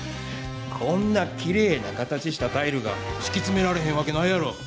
こんなきれいな形したタイルがしきつめられへんわけないやろ！